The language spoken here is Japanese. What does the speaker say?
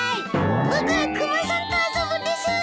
僕はクマさんと遊ぶです！